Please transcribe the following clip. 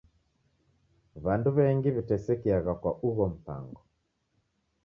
W'andu w'engi w'itesekiagha kwa ugho mpango.